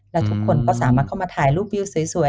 แล้วทุกคนก็สามารถเข้ามาถ่ายรูปวิวสวย